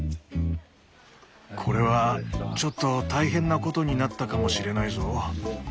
これはちょっと大変なことになったかもしれないぞ。